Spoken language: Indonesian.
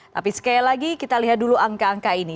tapi sekali lagi kita lihat dulu angka angka ini